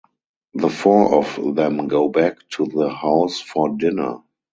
The four of them go back to the house for dinner.